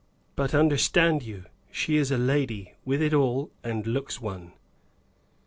But, understand you, she is a lady, with it all, and looks one."